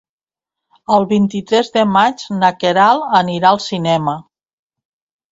El vint-i-tres de maig na Queralt anirà al cinema.